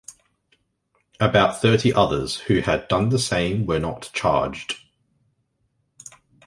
About thirty others who had done the same were not charged.